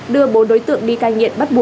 đưa bốn đối tượng đi cai nghiện bắt đầu